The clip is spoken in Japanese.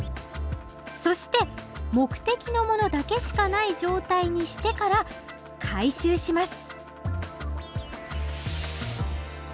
そして目的の物だけしかない状態にしてから回収します